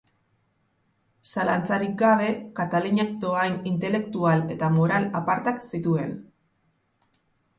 Zalantzarik gabe, Katalinak dohain intelektual eta moral apartak zituen.